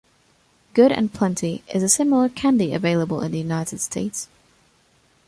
Good and Plenty is a similar candy available in the United States.